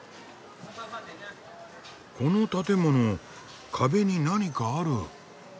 この建物壁に何かある。